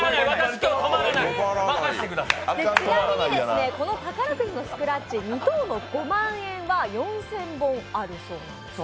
ちなみに、この宝くじのスクラッチ２等の５万円は４０００本あるそうなんですね。